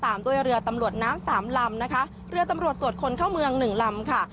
ตามด้วยเรือตำรวจน้ำนเรือตำรวจตรวจคนเข้าเมือง๐ลำ